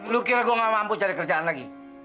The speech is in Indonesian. lu kira gue gak mampu cari kerjaan lagi